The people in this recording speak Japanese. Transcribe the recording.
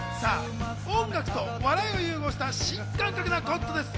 音楽と笑いを融合した新感覚なコントです。